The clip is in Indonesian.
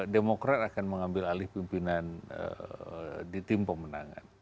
demokrat akan mengambil alih pimpinan di tim pemenangan